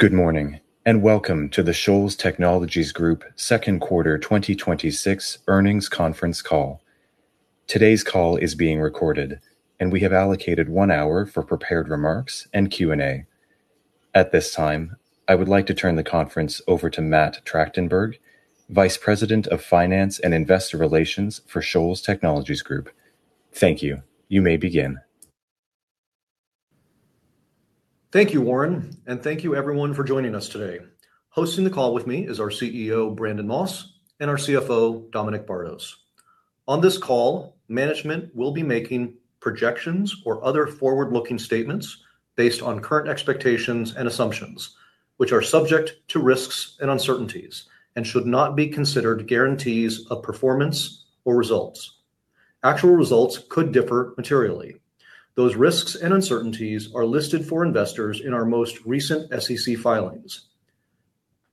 Good morning, and welcome to the Shoals Technologies Group second quarter 2026 earnings conference call. Today's call is being recorded, and we have allocated one hour for prepared remarks and Q&A. At this time, I would like to turn the conference over to Matt Tractenberg, Vice President of Finance and Investor Relations for Shoals Technologies Group. Thank you. You may begin. Thank you, Warren, and thank you everyone for joining us today. Hosting the call with me is our CEO, Brandon Moss, and our CFO, Dominic Bardos. On this call, management will be making projections or other forward-looking statements based on current expectations and assumptions, which are subject to risks and uncertainties and should not be considered guarantees of performance or results. Actual results could differ materially. Those risks and uncertainties are listed for investors in our most recent SEC filings.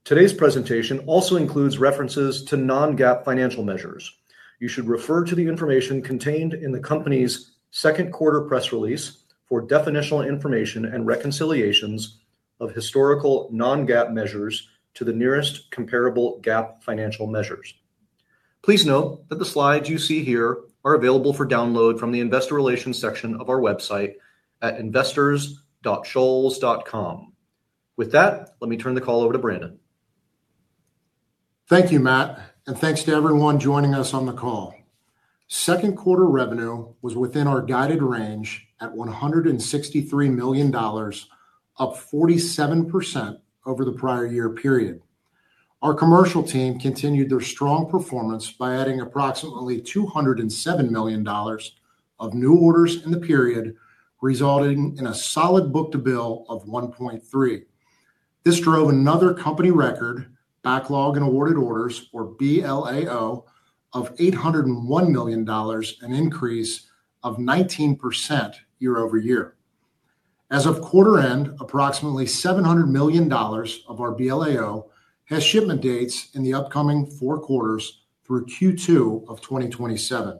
Today's presentation also includes references to non-GAAP financial measures. You should refer to the information contained in the company's second quarter press release for definitional information and reconciliations of historical non-GAAP measures to the nearest comparable GAAP financial measures. Please note that the slides you see here are available for download from the investor relations section of our website at investors.shoals.com. With that, let me turn the call over to Brandon. Thank you, Matt, and thanks to everyone joining us on the call. Second quarter revenue was within our guided range at $163 million, up 47% over the prior year period. Our commercial team continued their strong performance by adding approximately $207 million of new orders in the period, resulting in a solid book-to-bill of 1.3. This drove another company record backlog in awarded orders, or BLAO, of $801 million, an increase of 19% year-over-year. As of quarter end, approximately $700 million of our BLAO has shipment dates in the upcoming four quarters through Q2 of 2027.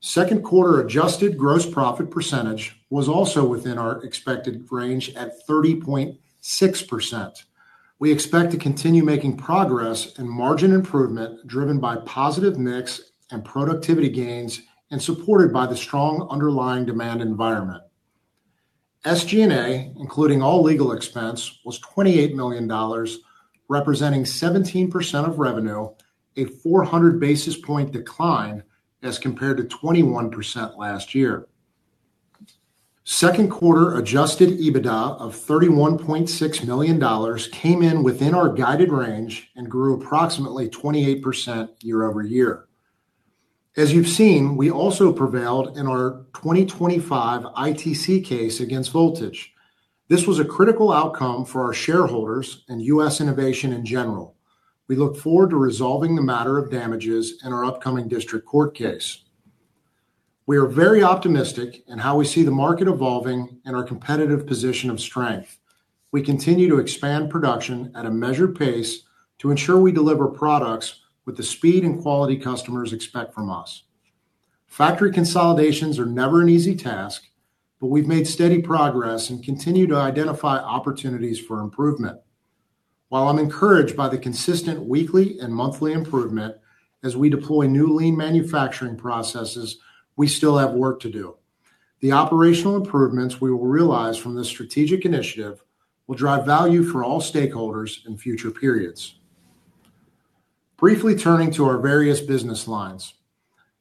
Second quarter adjusted gross profit percentage was also within our expected range at 30.6%. We expect to continue making progress in margin improvement driven by positive mix and productivity gains and supported by the strong underlying demand environment. SG&A, including all legal expense, was $28 million, representing 17% of revenue, a 400 basis point decline as compared to 21% last year. Second quarter adjusted EBITDA of $31.6 million came in within our guided range and grew approximately 28% year-over-year. As you've seen, we also prevailed in our 2025 ITC case against Voltage. This was a critical outcome for our shareholders and U.S. innovation in general. We look forward to resolving the matter of damages in our upcoming district court case. We are very optimistic in how we see the market evolving and our competitive position of strength. We continue to expand production at a measured pace to ensure we deliver products with the speed and quality customers expect from us. Factory consolidations are never an easy task, but we've made steady progress and continue to identify opportunities for improvement. While I'm encouraged by the consistent weekly and monthly improvement as we deploy new lean manufacturing processes, we still have work to do. The operational improvements we will realize from this strategic initiative will drive value for all stakeholders in future periods. Briefly turning to our various business lines.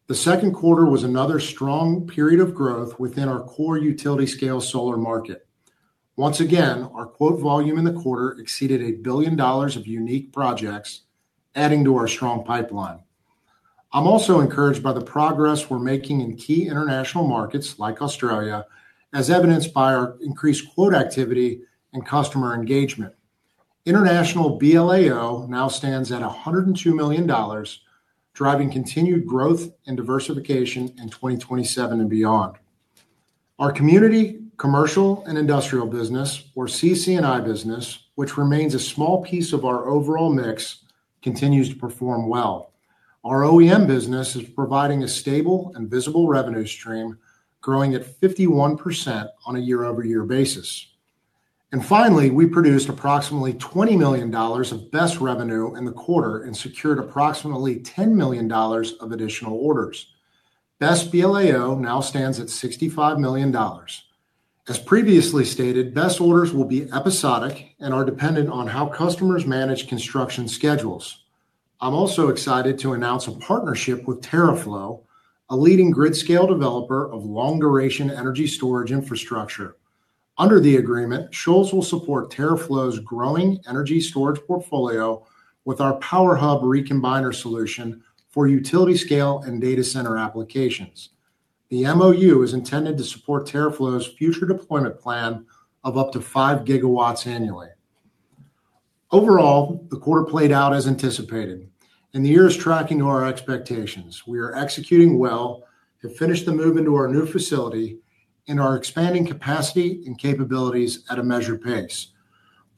The second quarter was another strong period of growth within our core utility scale solar market. Once again, our quote volume in the quarter exceeded $1 billion of unique projects, adding to our strong pipeline. I'm also encouraged by the progress we're making in key international markets like Australia, as evidenced by our increased quote activity and customer engagement. International BLAO now stands at $102 million, driving continued growth and diversification in 2027 and beyond. Our community, commercial, and industrial business, or CC&I business, which remains a small piece of our overall mix, continues to perform well. Our OEM business is providing a stable and visible revenue stream, growing at 51% on a year-over-year basis. Finally, we produced approximately $20 million of BESS revenue in the quarter and secured approximately $10 million of additional orders. BESS BLAO now stands at $65 million. As previously stated, BESS orders will be episodic and are dependent on how customers manage construction schedules. I'm also excited to announce a partnership with TerraFlow, a leading grid scale developer of long duration energy storage infrastructure. Under the agreement, Shoals will support TerraFlow's growing energy storage portfolio with our Power Hub Recombiner solution for utility scale and data center applications. The MOU is intended to support TerraFlow's future deployment plan of up to 5 GW annually. Overall, the quarter played out as anticipated, and the year is tracking to our expectations. We are executing well, have finished the move into our new facility, and are expanding capacity and capabilities at a measured pace.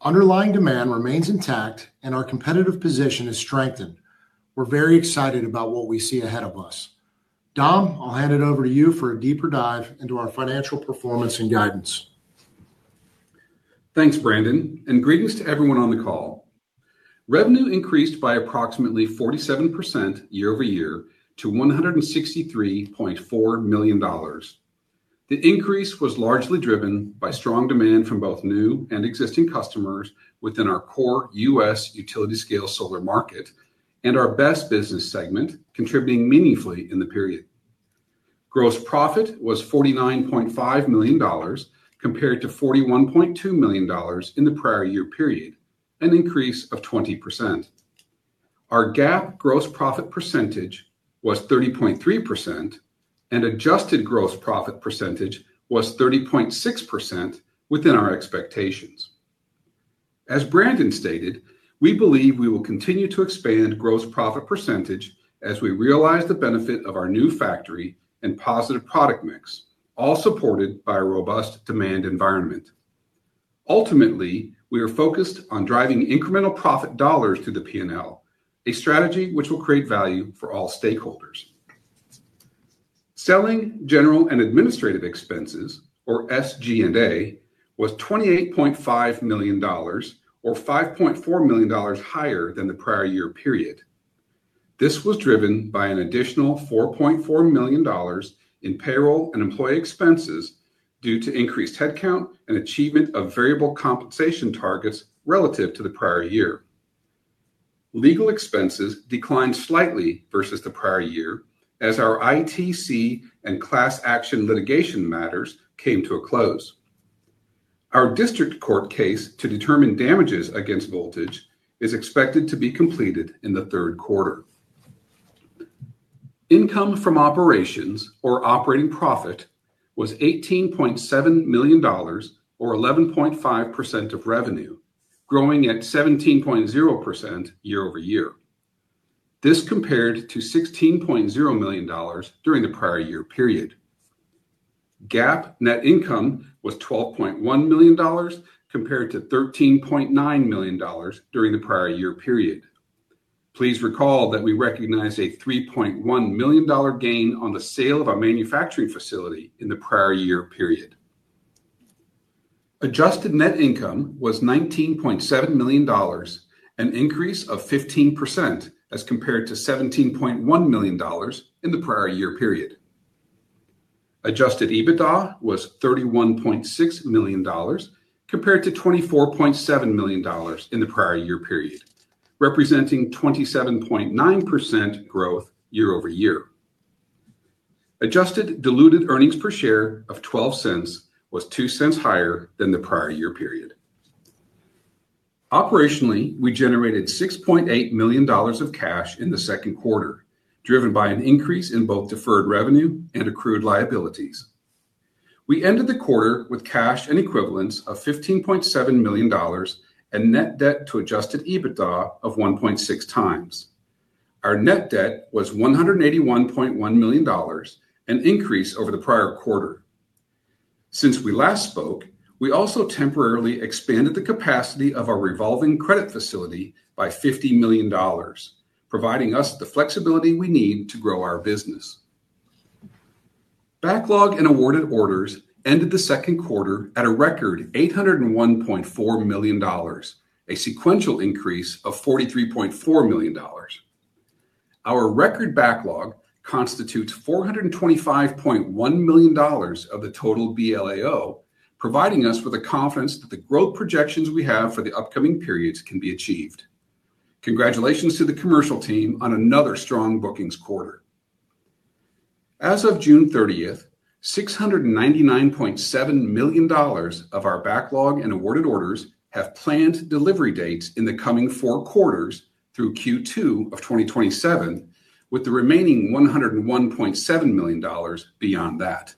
Underlying demand remains intact and our competitive position is strengthened. We're very excited about what we see ahead of us. Dom, I'll hand it over to you for a deeper dive into our financial performance and guidance. Thanks, Brandon, and greetings to everyone on the call. Revenue increased by approximately 47% year-over-year to $163.4 million. The increase was largely driven by strong demand from both new and existing customers within our core U.S. utility scale solar market and our BESS business segment contributing meaningfully in the period. Gross profit was $49.5 million compared to $41.2 million in the prior year period, an increase of 20%. Our GAAP gross profit percentage was 30.3% and adjusted gross profit percentage was 30.6% within our expectations. As Brandon stated, we believe we will continue to expand gross profit percentage as we realize the benefit of our new factory and positive product mix, all supported by a robust demand environment. Ultimately, we are focused on driving incremental profit dollars through the P&L, a strategy which will create value for all stakeholders. Selling, general, and administrative expenses, or SG&A, was $28.5 million or $5.4 million higher than the prior year period. This was driven by an additional $4.4 million in payroll and employee expenses due to increased headcount and achievement of variable compensation targets relative to the prior year. Legal expenses declined slightly versus the prior year as our ITC and class action litigation matters came to a close. Our district court case to determine damages against Voltage is expected to be completed in the third quarter. Income from operations or operating profit was $18.7 million or 11.5% of revenue, growing at 17.0% year-over-year. This compared to $16.0 million during the prior year period. GAAP net income was $12.1 million compared to $13.9 million during the prior year period. Please recall that we recognized a $3.1 million gain on the sale of our manufacturing facility in the prior year period. Adjusted net income was $19.7 million, an increase of 15% as compared to $17.1 million in the prior year period. Adjusted EBITDA was $31.6 million compared to $24.7 million in the prior year period, representing 27.9% growth year-over-year. Adjusted diluted earnings per share of $0.12 was $0.02 higher than the prior year period. Operationally, we generated $6.8 million of cash in the second quarter, driven by an increase in both deferred revenue and accrued liabilities. We ended the quarter with cash and equivalents of $15.7 million and net debt to adjusted EBITDA of 1.6x. Our net debt was $181.1 million, an increase over the prior quarter. Since we last spoke, we also temporarily expanded the capacity of our revolving credit facility by $50 million, providing us the flexibility we need to grow our business. Backlog and awarded orders ended the second quarter at a record $801.4 million, a sequential increase of $43.4 million. Our record backlog constitutes $425.1 million of the total BLAO, providing us with the confidence that the growth projections we have for the upcoming periods can be achieved. Congratulations to the commercial team on another strong bookings quarter. As of June 30th, $699.7 million of our backlog and awarded orders have planned delivery dates in the coming four quarters through Q2 of 2027, with the remaining $101.7 million beyond that.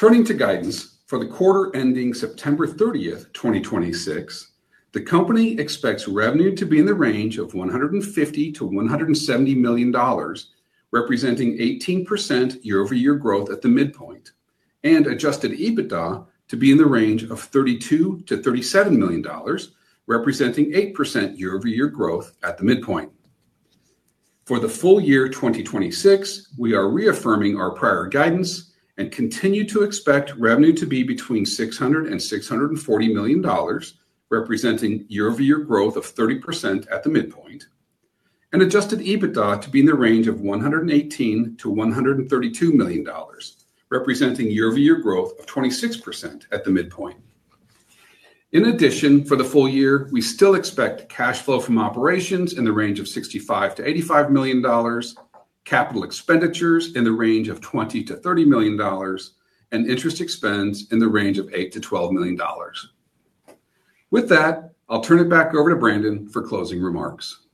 Turning to guidance for the quarter ending September 30th, 2026, the company expects revenue to be in the range of $150 million-$170 million, representing 18% year-over-year growth at the midpoint and adjusted EBITDA to be in the range of $32 million-$37 million, representing 8% year-over-year growth at the midpoint. For the full year 2026, we are reaffirming our prior guidance and continue to expect revenue to be between $600 million and $640 million, representing year-over-year growth of 30% at the midpoint and adjusted EBITDA to be in the range of $118 million-$132 million, representing year-over-year growth of 26% at the midpoint. In addition, for the full year, we still expect cash flow from operations in the range of $65 million-$85 million, capital expenditures in the range of $20 million-$30 million, and interest expense in the range of $8 million- $12 million. With that, I'll turn it back over to Brandon for closing remarks.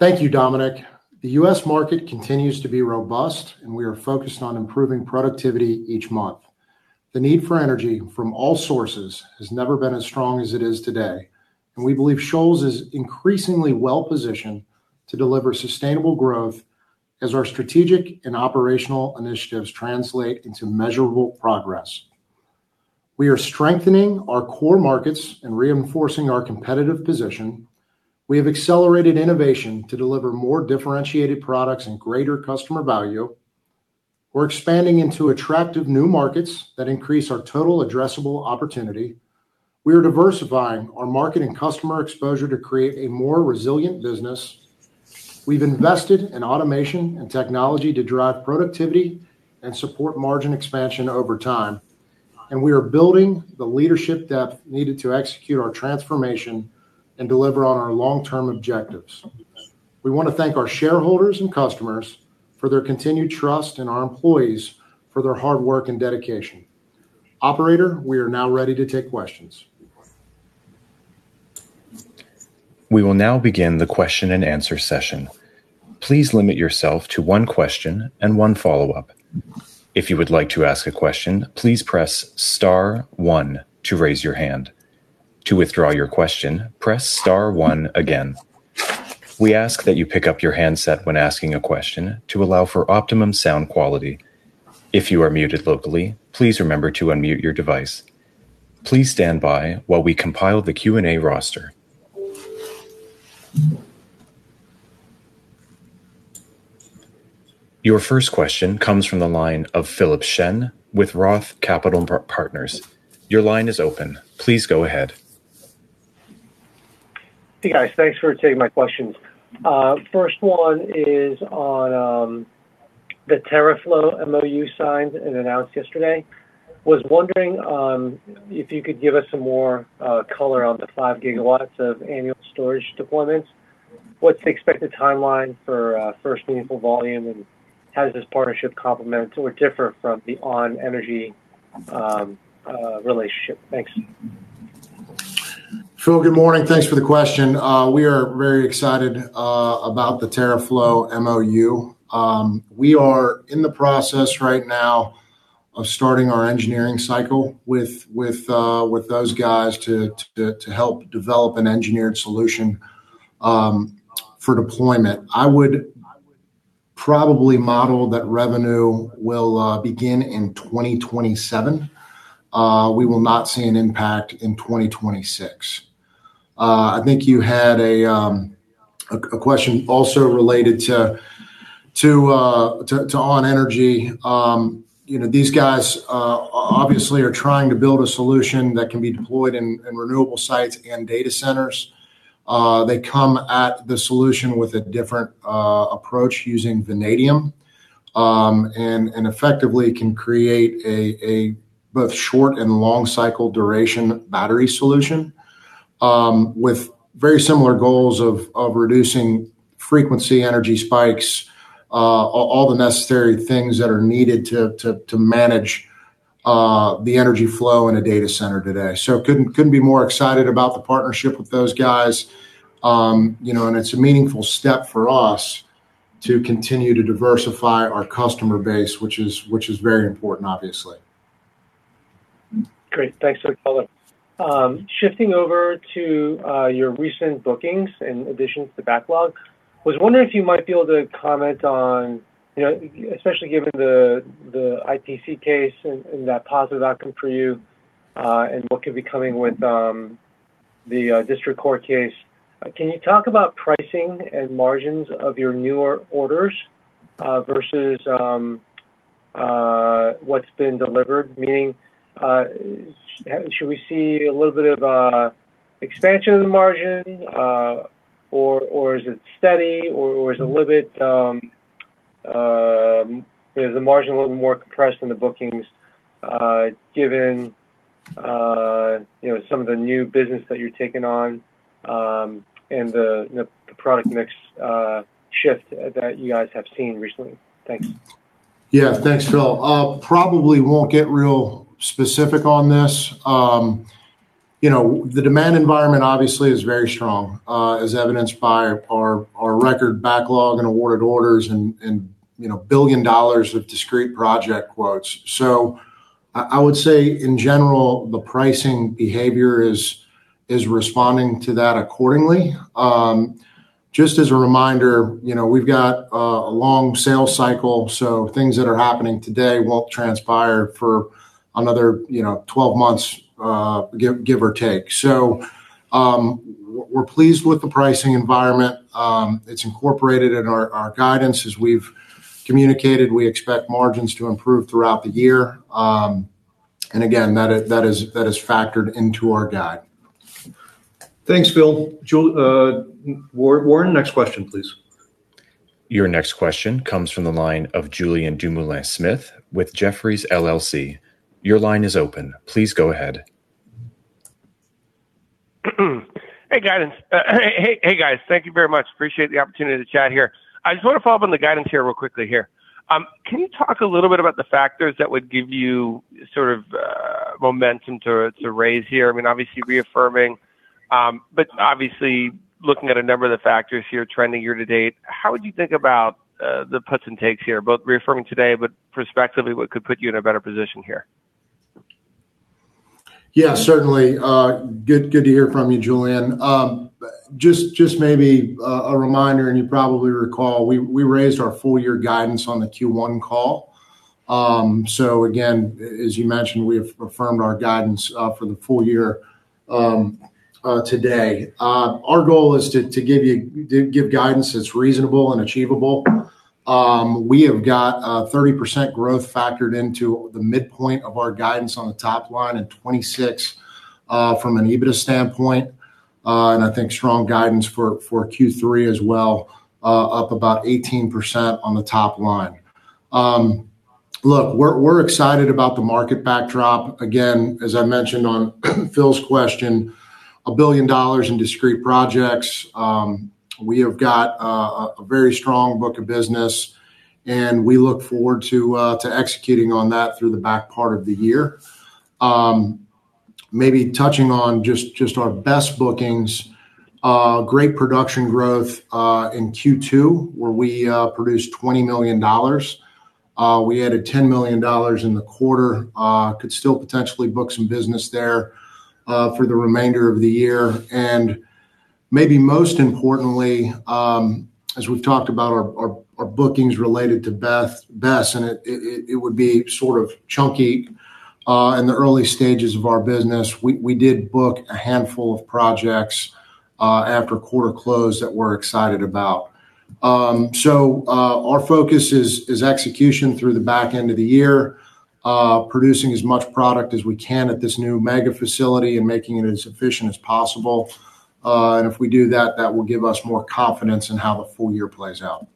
Thank you, Dominic. The U.S. market continues to be robust, and we are focused on improving productivity each month. The need for energy from all sources has never been as strong as it is today, and we believe Shoals is increasingly well-positioned to deliver sustainable growth as our strategic and operational initiatives translate into measurable progress. We are strengthening our core markets and reinforcing our competitive position. We have accelerated innovation to deliver more differentiated products and greater customer value. We're expanding into attractive new markets that increase our total addressable opportunity. We are diversifying our market and customer exposure to create a more resilient business. We've invested in automation and technology to drive productivity and support margin expansion over time. We are building the leadership depth needed to execute our transformation and deliver on our long-term objectives. We want to thank our shareholders and customers for their continued trust, and our employees for their hard work and dedication. Operator, we are now ready to take questions. We will now begin the question-and-answer session. Please limit yourself to one question and one follow-up. If you would like to ask a question, please press star one to raise your hand. To withdraw your question, press star one again. We ask that you pick up your handset when asking a question to allow for optimum sound quality. If you are muted locally, please remember to unmute your device. Please stand by while we compile the Q&A roster. Your first question comes from the line of Philip Shen with ROTH Capital Partners. Your line is open. Please go ahead. Hey, guys. Thanks for taking my questions. First one is on the TerraFlow MOU signed and announced yesterday. Was wondering if you could give us some more color on the 5 GW of annual storage deployments. What's the expected timeline for first meaningful volume, and how does this partnership complement or differ from the ON.energy relationship? Thanks. Phil, good morning. Thanks for the question. We are very excited about the TerraFlow MOU. We are in the process right now of starting our engineering cycle with those guys to help develop an engineered solution for deployment. I would probably model that revenue will begin in 2027. We will not see an impact in 2026. I think you had a question also related to ON.energy. These guys obviously are trying to build a solution that can be deployed in renewable sites and data centers. They come at the solution with a different approach using vanadium, and effectively can create a both short and long cycle duration battery solution with very similar goals of reducing frequency energy spikes, all the necessary things that are needed to manage the energy flow in a data center today. Couldn't be more excited about the partnership with those guys. It's a meaningful step for us to continue to diversify our customer base, which is very important, obviously. Great. Thanks for the color. Shifting over to your recent bookings in addition to backlog, was wondering if you might be able to comment on, especially given the ITC case and that positive outcome for you, and what could be coming with the district court case. Can you talk about pricing and margins of your newer orders, versus what's been delivered? Meaning, should we see a little bit of expansion of the margin, or is it steady, or is the margin a little more compressed than the bookings, given some of the new business that you're taking on, and the product mix shift that you guys have seen recently? Thanks. Yeah. Thanks, Phil. Probably won't get real specific on this. The demand environment obviously is very strong, as evidenced by our record backlog and awarded orders and $1 billion of discrete project quotes. I would say in general, the pricing behavior is responding to that accordingly. Just as a reminder, we've got a long sales cycle, so things that are happening today won't transpire for another 12 months, give or take. We're pleased with the pricing environment. It's incorporated in our guidance. As we've communicated, we expect margins to improve throughout the year. Again, that is factored into our guide. Thanks, Phil. Warren, next question, please. Your next question comes from the line of Julien Dumoulin-Smith with Jefferies LLC. Your line is open. Please go ahead. Hey, guys. Thank you very much. Appreciate the opportunity to chat here. I just want to follow up on the guidance here real quickly here. Can you talk a little bit about the factors that would give you sort of momentum to raise here? I mean, obviously reaffirming, but obviously looking at a number of the factors here trending year-to-date. How would you think about the puts and takes here, both reaffirming today, but prospectively, what could put you in a better position here? Yeah, certainly. Good to hear from you, Julien. Just maybe a reminder, you probably recall, we raised our full year guidance on the Q1 call. Again, as you mentioned, we have affirmed our guidance for the full year today. Our goal is to give guidance that's reasonable and achievable. We have got a 30% growth factored into the midpoint of our guidance on the top line and 26% from an EBITDA standpoint. I think strong guidance for Q3 as well, up about 18% on the top line. Look, we're excited about the market backdrop. Again, as I mentioned on Phil's question, $1 billion in discrete projects. We have got a very strong book of business, and we look forward to executing on that through the back part of the year. Maybe touching on just our best bookings, great production growth, in Q2, where we produced $20 million. We added $10 million in the quarter, could still potentially book some business there for the remainder of the year. Maybe most importantly, as we've talked about our bookings related to BESS, and it would be sort of chunky, in the early stages of our business, we did book a handful of projects after quarter close that we're excited about. Our focus is execution through the back end of the year. Producing as much product as we can at this new Mega Facility and making it as efficient as possible. If we do that will give us more confidence in how the full year plays out.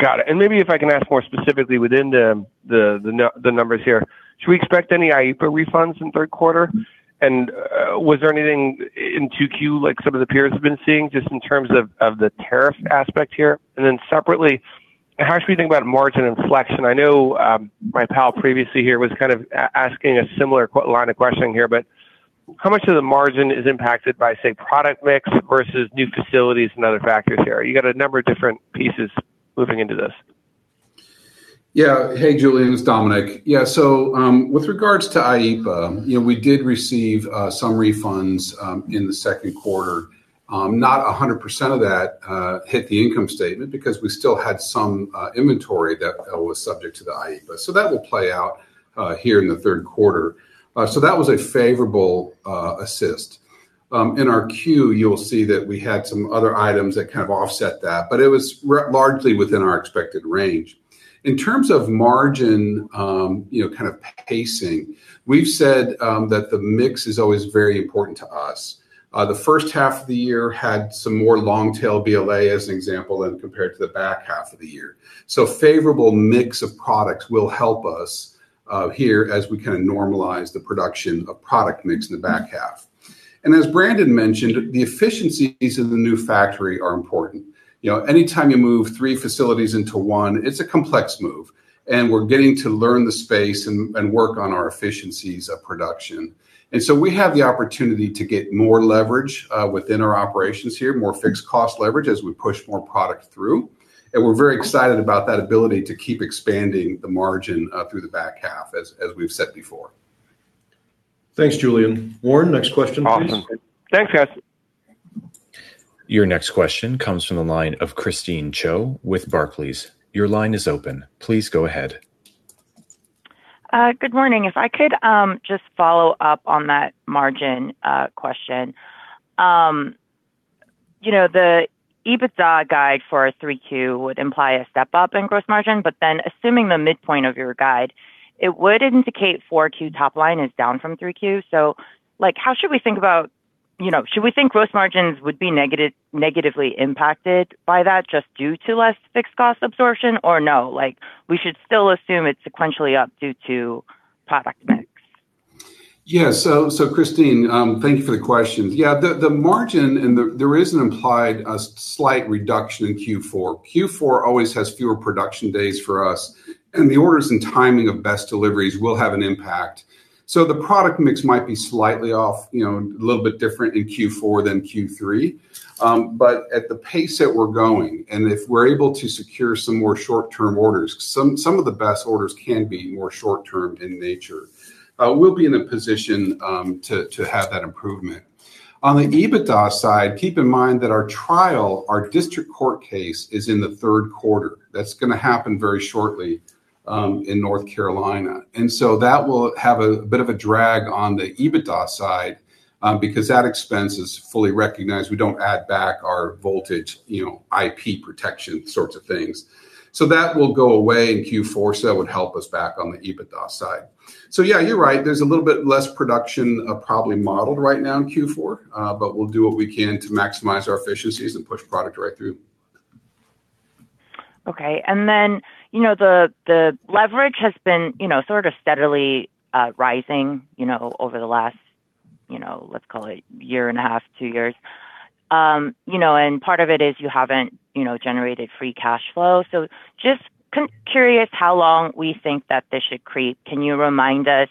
Got it. Maybe if I can ask more specifically within the numbers here. Should we expect any IEEPA refunds in third quarter? Was there anything in 2Q like some of the peers have been seeing, just in terms of the tariff aspect here? Separately, how should we think about margin and selection? I know my pal previously here was kind of asking a similar line of questioning here, how much of the margin is impacted by, say, product mix versus new facilities and other factors here? You got a number of different pieces moving into this. Hey, Julien, it's Dominic. With regards to IEEPA, we did receive some refunds in the second quarter. Not 100% of that hit the income statement because we still had some inventory that was subject to the IEEPA. That will play out here in the third quarter. That was a favorable assist. In our Q, you'll see that we had some other items that kind of offset that, it was largely within our expected range. In terms of margin pacing, we've said that the mix is always very important to us. The first half of the year had some more Long Tail BLA, as an example, than compared to the back half of the year. A favorable mix of products will help us here as we kind of normalize the production of product mix in the back half. As Brandon mentioned, the efficiencies of the new factory are important. Anytime you move three facilities into one, it's a complex move, we're getting to learn the space and work on our efficiencies of production. We have the opportunity to get more leverage within our operations here, more fixed cost leverage as we push more product through. We're very excited about that ability to keep expanding the margin through the back half, as we've said before. Thanks, Julien. Warren, next question please. Awesome. Thanks, guys. Your next question comes from the line of Christine Cho with Barclays. Your line is open. Please go ahead. Good morning. If I could just follow up on that margin question. The EBITDA guide for our 3Q would imply a step-up in gross margin, assuming the midpoint of your guide, it would indicate 4Q top line is down from 3Q. Should we think gross margins would be negatively impacted by that just due to less fixed cost absorption or no? We should still assume it's sequentially up due to product mix. Yeah. Christine, thank you for the question. Yeah, the margin, there is an implied slight reduction in Q4. Q4 always has fewer production days for us, and the orders and timing of BESS deliveries will have an impact. The product mix might be slightly off, a little bit different in Q4 than Q3. At the pace that we're going, and if we're able to secure some more short-term orders, because some of the BESS orders can be more short-term in nature. We'll be in a position to have that improvement. On the EBITDA side, keep in mind that our trial, our district court case is in the third quarter. That's going to happen very shortly in North Carolina. That will have a bit of a drag on the EBITDA side because that expense is fully recognized. We don't add back our Voltage IP protection sorts of things. That will go away in Q4, so that would help us back on the EBITDA side. Yeah, you're right. There's a little bit less production probably modeled right now in Q4, we'll do what we can to maximize our efficiencies and push product right through. Okay. The leverage has been sort of steadily rising over the last, let's call it year and a half, two years. Part of it is you haven't generated free cash flow. Just curious how long we think that this should creep. Can you remind us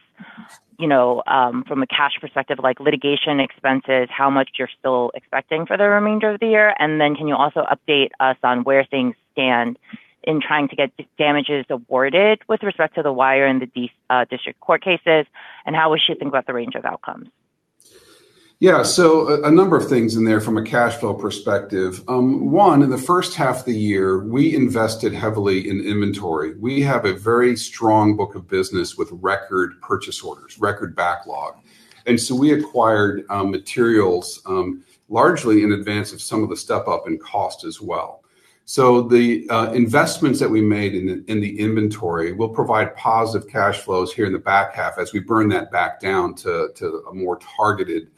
from a cash perspective, like litigation expenses, how much you're still expecting for the remainder of the year? Can you also update us on where things stand in trying to get damages awarded with respect to the wire and the district court cases, and how we should think about the range of outcomes? Yeah. A number of things in there from a cash flow perspective. One, in the first half of the year, we invested heavily in inventory. We have a very strong book of business with record purchase orders, record backlog. We acquired materials, largely in advance of some of the step-up in cost as well. The investments that we made in the inventory will provide positive cash flows here in the back half as we burn that back down to a more targeted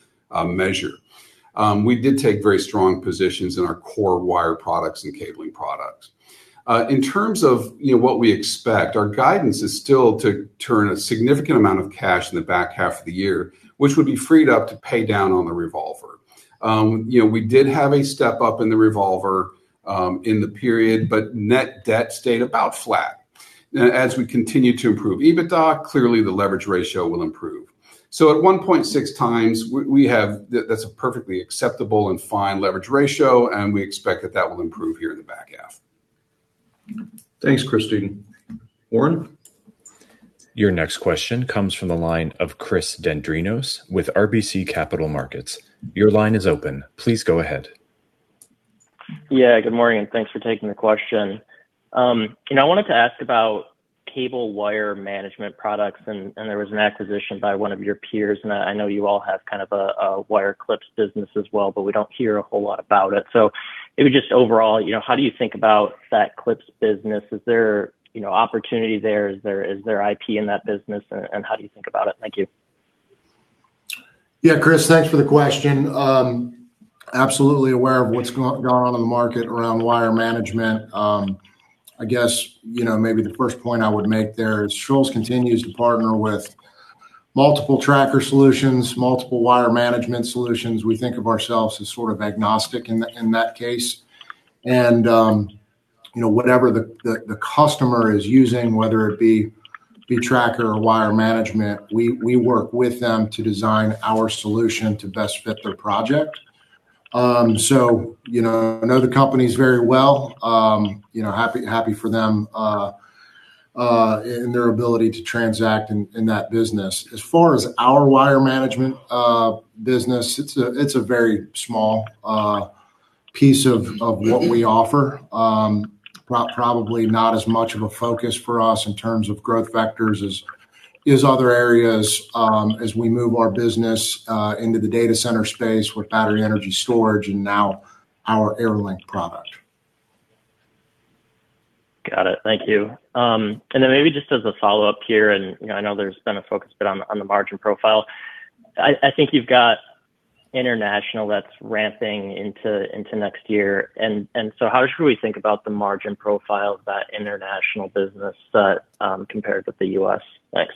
measure. We did take very strong positions in our core wire products and cabling products. In terms of what we expect, our guidance is still to turn a significant amount of cash in the back half of the year, which would be freed up to pay down on the revolver. We did have a step-up in the revolver in the period, net debt stayed about flat. As we continue to improve EBITDA, clearly the leverage ratio will improve. At 1.6x, that's a perfectly acceptable and fine leverage ratio, and we expect that that will improve here in the back half. Thanks, Christine. Warren? Your next question comes from the line of Chris Dendrinos with RBC Capital Markets. Your line is open. Please go ahead. Good morning, thanks for taking the question. I wanted to ask about cable wire management products, there was an acquisition by one of your peers, and I know you all have kind of a wire clips business as well, but we don't hear a whole lot about it. Maybe just overall, how do you think about that clips business? Is there opportunity there? Is there IP in that business, and how do you think about it? Thank you. Yeah, Chris, thanks for the question. Absolutely aware of what's gone on in the market around wire management. I guess maybe the first point I would make there is Shoals continues to partner with multiple tracker solutions, multiple wire management solutions. We think of ourselves as sort of agnostic in that case. Whatever the customer is using, whether it be tracker or wire management, we work with them to design our solution to best fit their project. I know the companies very well. Happy for them in their ability to transact in that business. As far as our wire management business, it's a very small piece of what we offer. Probably not as much of a focus for us in terms of growth vectors as other areas as we move our business into the data center space with battery energy storage and now our Air Link product. Got it. Thank you. Maybe just as a follow-up here, I know there's been a focus bit on the margin profile. I think you've got international that's ramping into next year, how should we think about the margin profile of that international business compared with the U.S.? Thanks.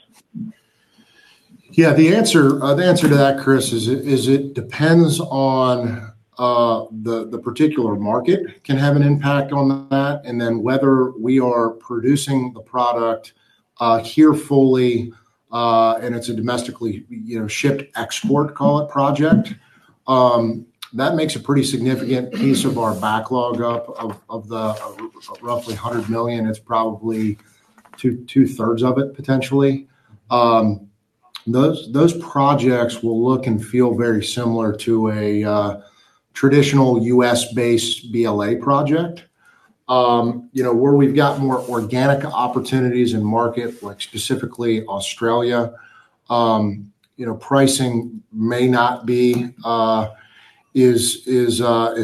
Yeah, the answer to that, Chris, is it depends on the particular market can have an impact on that, whether we are producing the product here fully, it's a domestically shipped export, call it project. That makes a pretty significant piece of our backlog up of the roughly $100 million, it's probably 2/3 of it, potentially. Those projects will look and feel very similar to a traditional U.S.-based BLA project. Where we've got more organic opportunities in market, like specifically Australia, pricing may not be as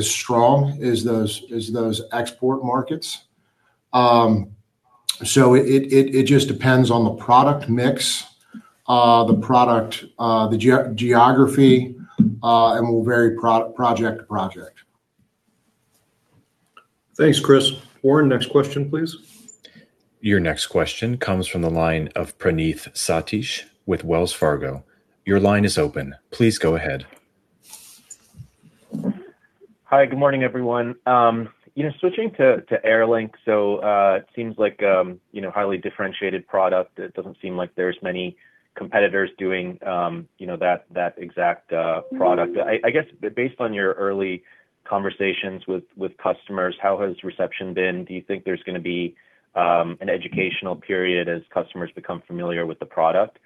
strong as those export markets. It just depends on the product mix, the product, the geography, and very project to project. Thanks, Chris. Warren, next question, please. Your next question comes from the line of Praneeth Satish with Wells Fargo. Your line is open. Please go ahead. Hi, good morning, everyone. Switching to Air Link, it seems like highly differentiated product. It doesn't seem like there's many competitors doing that exact product. I guess based on your early conversations with customers, how has reception been? Do you think there's going to be an educational period as customers become familiar with the product?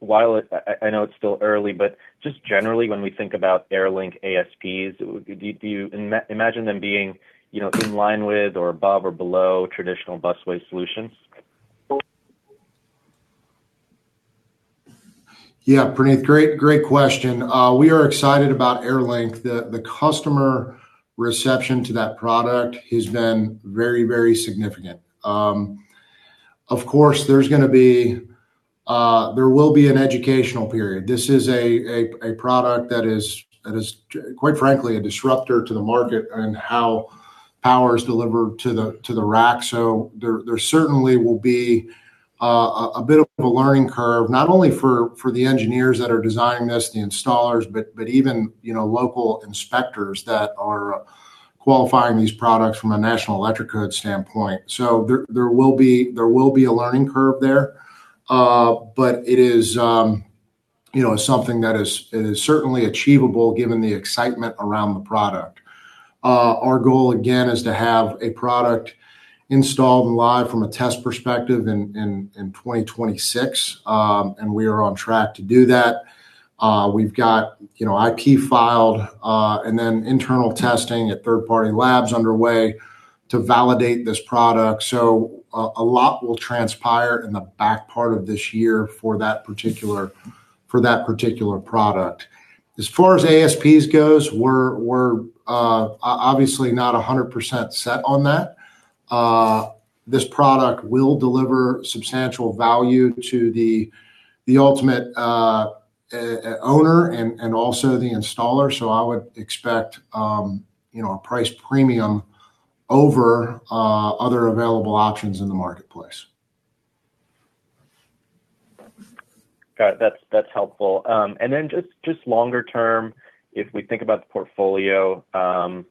While I know it's still early, just generally when we think about Air Link ASPs, do you imagine them being in line with or above or below traditional busway solutions? Yeah, Praneeth, great question. We are excited about Air Link. The customer reception to that product has been very significant. Of course, there will be an educational period. This is a product that is quite frankly a disruptor to the market and how power is delivered to the rack. There certainly will be a bit of a learning curve, not only for the engineers that are designing this, the installers, but even local inspectors that are qualifying these products from a National Electrical Code standpoint. There will be a learning curve there. It is something that is certainly achievable given the excitement around the product. Our goal, again, is to have a product installed and live from a test perspective in 2026, we are on track to do that. We've got IP filed, internal testing at third-party labs underway to validate this product. A lot will transpire in the back part of this year for that particular product. As far as ASPs goes, we're obviously not 100% set on that. This product will deliver substantial value to the ultimate owner and also the installer. I would expect a price premium over other available options in the marketplace. Got it. That's helpful. Just longer term, if we think about the portfolio of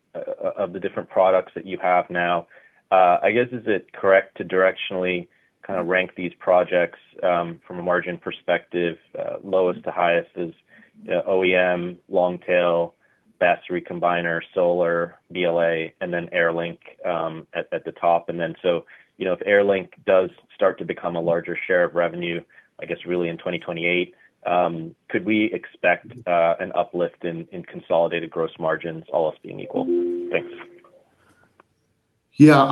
the different products that you have now, I guess is it correct to directionally kind of rank these projects from a margin perspective, lowest to highest as OEM, Long Tail, BESS, Recombiner, solar, BLA, and then Air Link at the top? If Air Link does start to become a larger share of revenue, I guess really in 2028, could we expect an uplift in consolidated gross margins, all else being equal? Thanks. Yeah,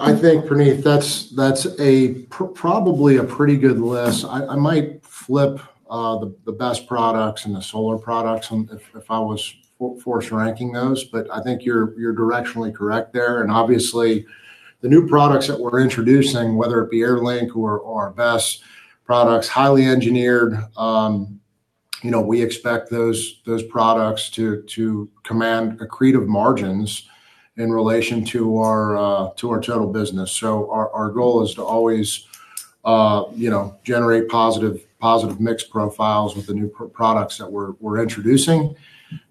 I think, Praneeth, that's probably a pretty good list. I might flip the BESS products and the solar products if I was force ranking those, but I think you're directionally correct there. Obviously the new products that we're introducing, whether it be Air Link or our BESS products, highly engineered, we expect those products to command accretive margins in relation to our total business. Our goal is to always generate positive mix profiles with the new products that we're introducing.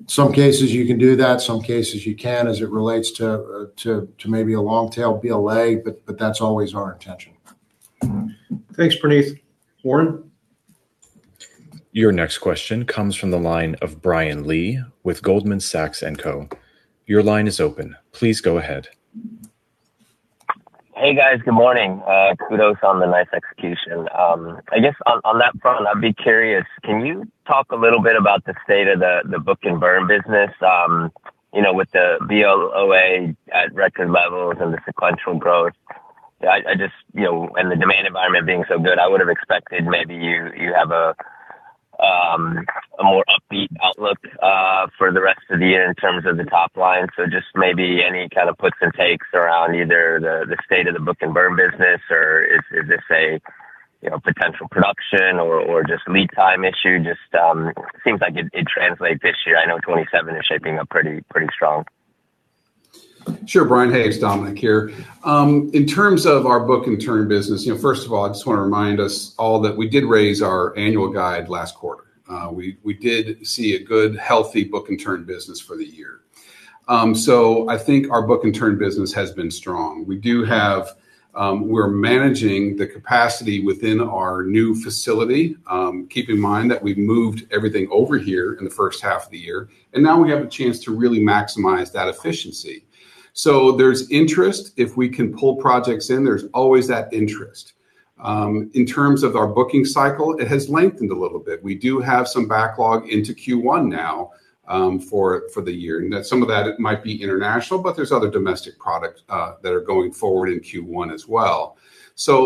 Some cases you can do that, some cases you can't, as it relates to maybe a Long Tail BLA, but that's always our intention. Thanks, Praneeth. Warren? Your next question comes from the line of Brian Lee with Goldman Sachs & Co. Your line is open. Please go ahead. Hey, guys. Good morning. Kudos on the nice execution. I guess on that front, I'd be curious, can you talk a little bit about the state of the book-and-turn business? With the BLAO at record levels and the sequential growth, the demand environment being so good, I would've expected maybe you have a more upbeat outlook for the rest of the year in terms of the top line. Just maybe any kind of puts and takes around either the state of the book-and-turn business, or is this a potential production or just lead time issue, just seems like it'd translate this year. I know 2027 is shaping up pretty strong. Sure, Brian. Hey, it's Dominic here. In terms of our book-and-turn business, first of all, I just want to remind us all that we did raise our annual guide last quarter. We did see a good, healthy book-and-turn business for the year. I think our book-and-turn business has been strong. We're managing the capacity within our new facility. Keep in mind that we've moved everything over here in the first half of the year, and now we have a chance to really maximize that efficiency. There's interest. If we can pull projects in, there's always that interest. In terms of our booking cycle, it has lengthened a little bit. We do have some backlog into Q1 now for the year. Some of that might be international, there's other domestic products that are going forward in Q1 as well.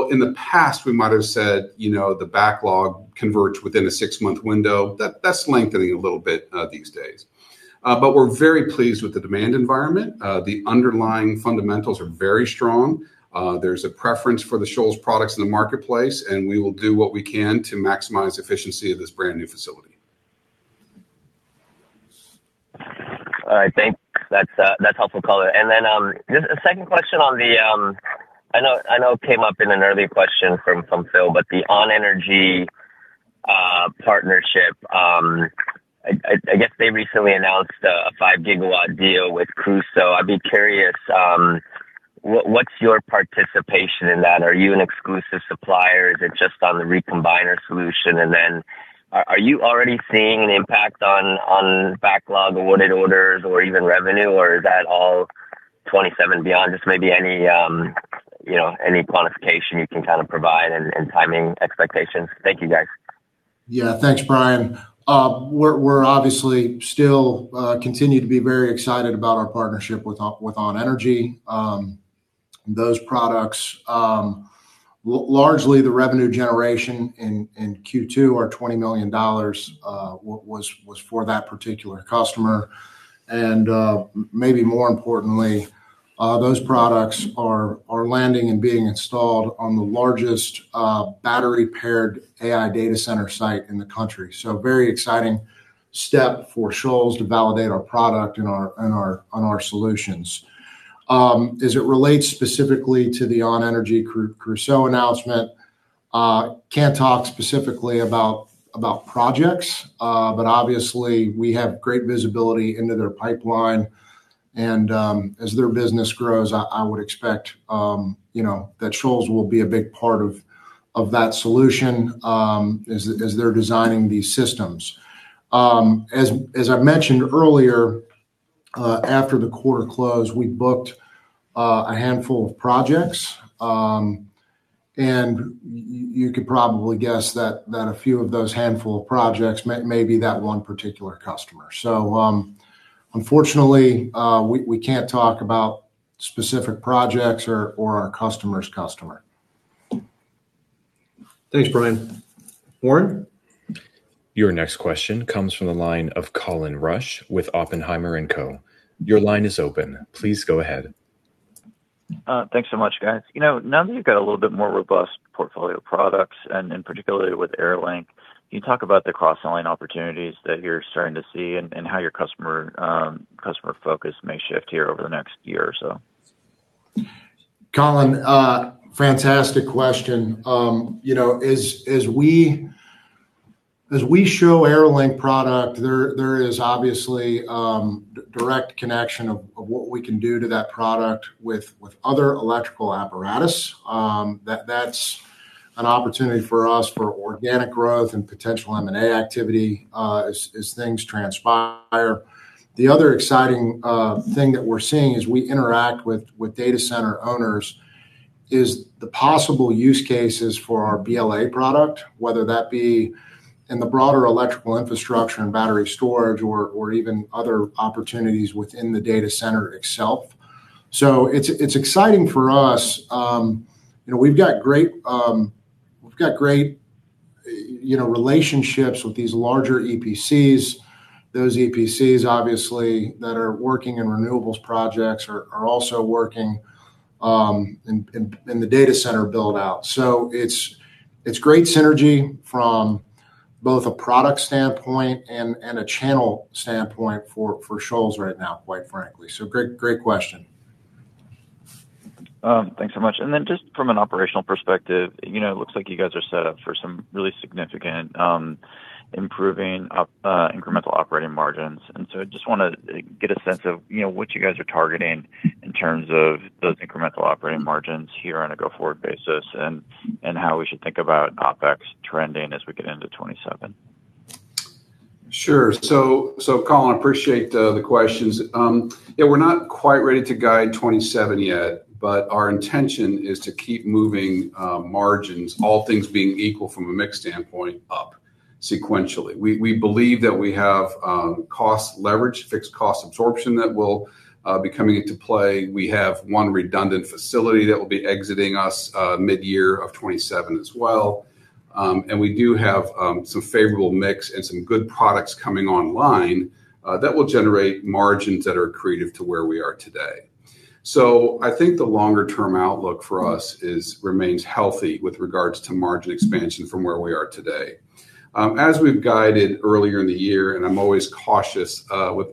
In the past, we might have said the backlog converged within a six-month window. That's lengthening a little bit these days. We're very pleased with the demand environment. The underlying fundamentals are very strong. There's a preference for the Shoals products in the marketplace, we will do what we can to maximize efficiency of this brand-new facility. All right. Thanks. That's helpful color. Just a second question on the I know it came up in an earlier question from Phil, the ON.energy partnership, I guess they recently announced a 5 GW deal with Crusoe. I'd be curious, what's your participation in that? Are you an exclusive supplier? Is it just on the Recombiner solution? Are you already seeing an impact on backlog, awarded orders or even revenue, or is that all 2027 and beyond? Just maybe any quantification you can kind of provide and timing expectations. Thank you, guys. Yeah. Thanks, Brian. We're obviously still continue to be very excited about our partnership with ON.energy. Those products, largely the revenue generation in Q2 are $20 million, was for that particular customer. Maybe more importantly, those products are landing and being installed on the largest battery-paired AI data center site in the country. Very exciting step for Shoals to validate our product and our solutions. As it relates specifically to the ON.energy Crusoe announcement, can't talk specifically about projects. Obviously we have great visibility into their pipeline, and as their business grows, I would expect that Shoals will be a big part of that solution as they're designing these systems. As I mentioned earlier, after the quarter close, we booked a handful of projects. You could probably guess that a few of those handful of projects may be that one particular customer. Unfortunately, we can't talk about specific projects or our customer's customer. Thanks, Brian. Warren? Your next question comes from the line of Colin Rusch with Oppenheimer & Co. Your line is open. Please go ahead. Thanks so much, guys. Now that you've got a little bit more robust portfolio of products, and in particular with Air Link, can you talk about the cross-selling opportunities that you're starting to see and how your customer focus may shift here over the next year or so? Colin, fantastic question. As we show Air Link product, there is obviously direct connection of what we can do to that product with other electrical apparatus. That's an opportunity for us for organic growth and potential M&A activity as things transpire. The other exciting thing that we're seeing as we interact with data center owners is the possible use cases for our BLA product, whether that be in the broader electrical infrastructure and battery storage or even other opportunities within the data center itself. It's exciting for us. We've got great relationships with these larger EPCs. Those EPCs, obviously, that are working in renewables projects are also working in the data center build-out. It's great synergy from both a product standpoint and a channel standpoint for Shoals right now, quite frankly. Great question. Thanks so much. Just from an operational perspective, it looks like you guys are set up for some really significant improving incremental operating margins. I just want to get a sense of what you guys are targeting in terms of those incremental operating margins here on a go-forward basis and how we should think about OpEx trending as we get into 2027. Sure. Colin, appreciate the questions. Yeah, we're not quite ready to guide 2027 yet, but our intention is to keep moving margins, all things being equal from a mix standpoint, up sequentially. We believe that we have cost leverage, fixed cost absorption that will be coming into play. We have one redundant facility that will be exiting us mid-year of 2027 as well. We do have some favorable mix and some good products coming online that will generate margins that are accretive to where we are today. I think the longer-term outlook for us remains healthy with regards to margin expansion from where we are today. As we've guided earlier in the year, and I'm always cautious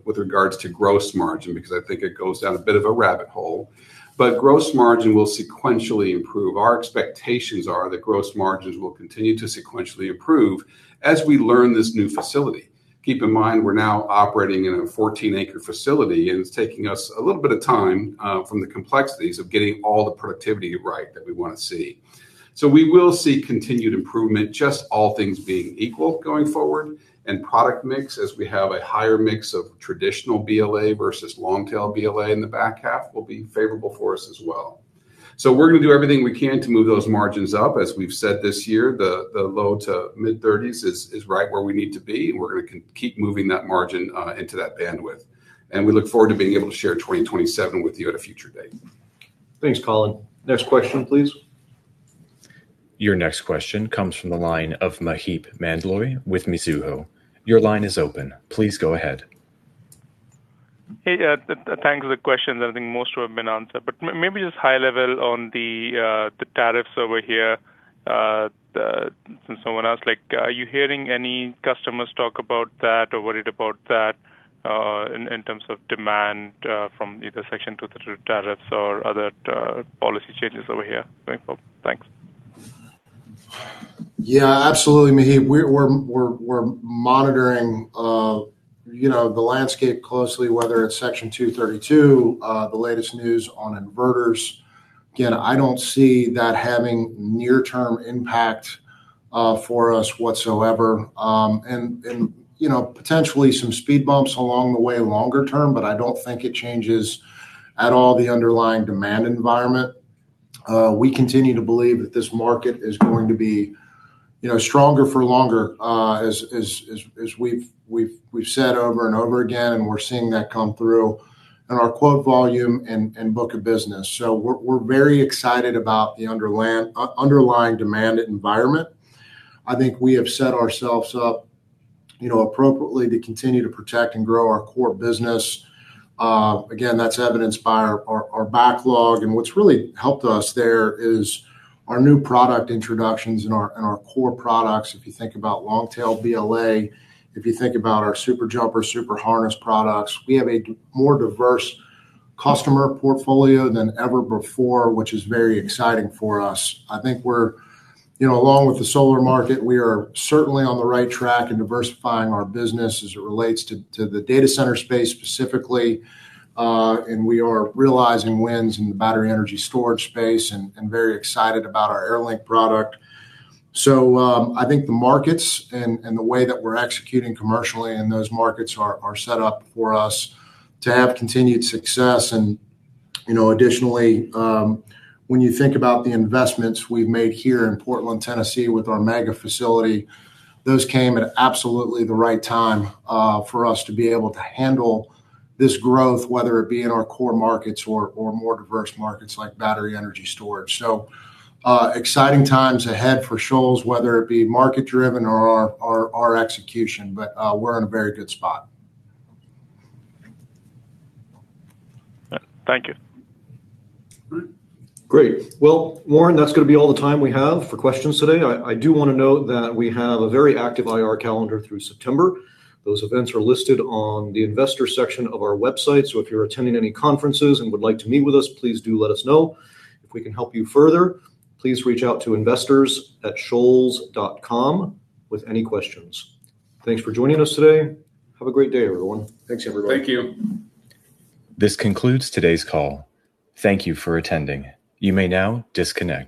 with regards to gross margin, because I think it goes down a bit of a rabbit hole, but gross margin will sequentially improve. Our expectations are that gross margins will continue to sequentially improve as we learn this new facility. Keep in mind, we're now operating in a 14 acre facility, and it's taking us a little bit of time from the complexities of getting all the productivity right that we want to see. We will see continued improvement, just all things being equal going forward, and product mix as we have a higher mix of traditional BLA versus Long Tail BLA in the back half will be favorable for us as well. We're going to do everything we can to move those margins up. As we've said this year, the low to mid-30s is right where we need to be, and we're going to keep moving that margin into that bandwidth. We look forward to being able to share 2027 with you at a future date. Thanks, Colin. Next question, please. Your next question comes from the line of Maheep Mandloi with Mizuho. Your line is open. Please go ahead. Hey. Thanks for the questions. I think most have been answered. Maybe just high level on the tariffs over here from someone else. Are you hearing any customers talk about that or worried about that in terms of demand from either Section 232 tariffs or other policy changes over here going forward? Thanks. Yeah, absolutely, Maheep. We're monitoring the landscape closely, whether it's Section 232, the latest news on inverters. Again, I don't see that having near-term impact for us whatsoever. Potentially some speed bumps along the way longer term, but I don't think it changes at all the underlying demand environment. We continue to believe that this market is going to be stronger for longer, as we've said over and over again, and we're seeing that come through in our quote volume and book of business. We're very excited about the underlying demand environment. I think we have set ourselves up appropriately to continue to protect and grow our core business. Again, that's evidenced by our backlog. What's really helped us there is our new product introductions and our core products. If you think about Long Tail BLA, if you think about our SuperJumper, SuperHarness products, we have a more diverse customer portfolio than ever before, which is very exciting for us. I think along with the solar market, we are certainly on the right track in diversifying our business as it relates to the data center space specifically. We are realizing wins in the battery energy storage space and very excited about our Air Link product. I think the markets and the way that we're executing commercially in those markets are set up for us to have continued success. Additionally, when you think about the investments we've made here in Portland, Tennessee with our Mega Facility, those came at absolutely the right time for us to be able to handle this growth, whether it be in our core markets or more diverse markets like battery energy storage. Exciting times ahead for Shoals, whether it be market-driven or our execution. We're in a very good spot. Thank you. Great. Well, Warren, that's going to be all the time we have for questions today. I do want to note that we have a very active IR calendar through September. Those events are listed on the investor section of our website, so if you're attending any conferences and would like to meet with us, please do let us know. If we can help you further, please reach out to investors@shoals.com with any questions. Thanks for joining us today. Have a great day, everyone. Thanks, everyone. Thank you. This concludes today's call. Thank you for attending. You may now disconnect.